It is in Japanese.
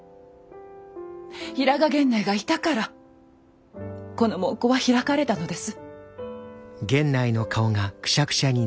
平賀源内がいたからこの門戸は開かれたのです。